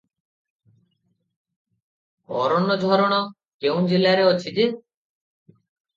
ଅରନଝରଣ କେଉଁ ଜିଲ୍ଲାରେ ଅଛି ଯେ?